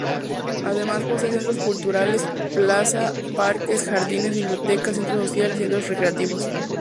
Además posee centros culturales, plaza, parques, jardines, biblioteca, centro social y centros recreativos.